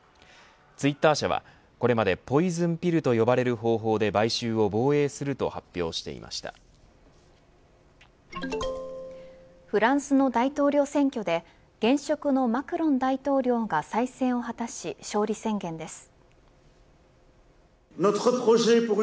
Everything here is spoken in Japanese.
ツイッター社はこれまでポイズンピルと呼ばれる方法で買収を防衛するとフランスの大統領選挙で現職のマクロン大統領が再選を果たし勝利宣言です。